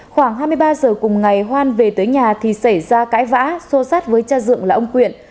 khoảng hai mươi ba giờ cùng ngày hoan về tới nhà thì xảy ra cãi vã xô sát với cha dựng là ông quyện